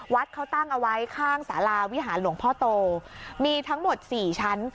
วัดเขาตั้งเอาไว้ข้างสาราวิหารหลวงพ่อโตมีทั้งหมดสี่ชั้น